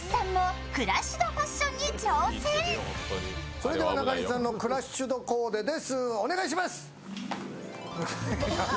それでは中西さんのクラッシュドコーデです、お願いします。